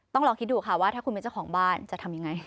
ต้องลองคิดดูค่ะว่าถ้าคุณเป็นเจ้าของบ้านจะทำยังไง